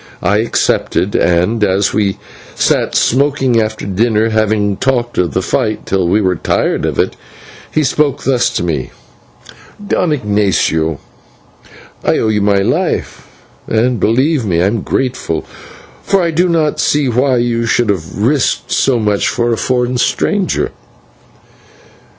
I accepted, and as we sat smoking after dinner, having talked of the fight till we were tired of it, he spoke thus to me: "Don Ignatio, I owe you my life, and, believe me, I am grateful, for I do not see why you should have risked so much for a foreign stranger."